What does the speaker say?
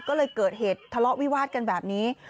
ก็เลยเกิดเหตุทะเลาะวิวาดกันแบบนี้